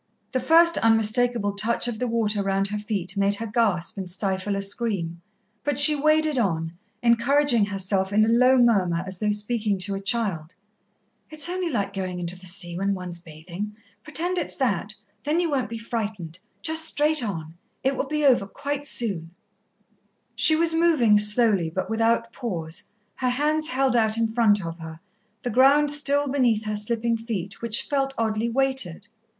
The first unmistakable touch of the water round her feet made her gasp and stifle a scream, but she waded on, encouraging herself in a low murmur, as though speaking to a child: "It's only like going into the sea when one's bathing pretend it's that, then you won't be frightened. Just straight on it will be over quite soon " She was moving, slowly, but without pause, her hands held out in front of her, the ground still beneath her slipping feet, which felt oddly weighted.